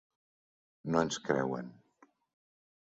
No ens creuen.